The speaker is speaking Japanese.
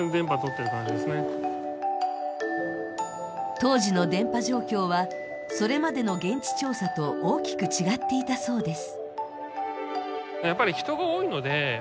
当時の電波状況はそれまでの現地調査と大きく違っていたそうです。